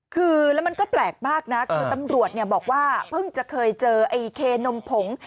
คือแล้วมันก็แปลกมากนะคือตำรวจบอกว่าเพิ่งจะเคยเจอไอ้เคนมผง